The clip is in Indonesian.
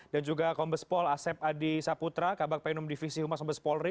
dan juga kombes pol asep adi saputra kabak penum divisi humas kombes polri